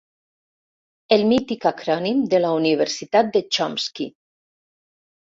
El mític acrònim de la universitat de Chomsky.